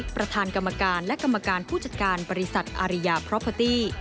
ประธานกรรมการและกรรมการผู้จัดการบริษัทอาริยาพร้อมพาตี้